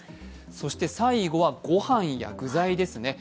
そして最後はご飯や具材ですね。